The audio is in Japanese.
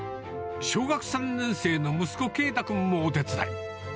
小学３年生の息子、けいた君もお手伝い。